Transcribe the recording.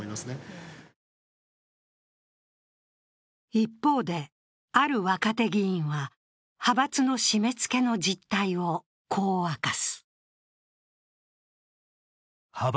一方である若手議員は、派閥の締め付けの実態をこう明かす。